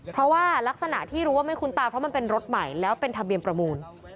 เพราะว่ารักษณะที่รู้ว่าไม่คุ้นตาเพราะมันเป็นรถใหม่แล้วเป็นทะเบียนประมูล